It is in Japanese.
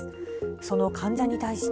その患者に対して。